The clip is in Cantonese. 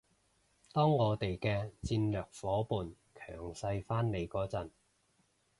當我哋嘅戰略夥伴強勢返嚟嗰陣